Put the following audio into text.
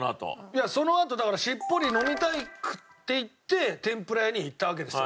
いやそのあとだから「しっぽり飲みたい」って言って天ぷら屋に行ったわけですよ。